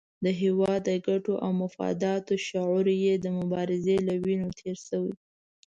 د هېواد د ګټو او مفاداتو شعور یې د مبارزې له وینو تېر شوی.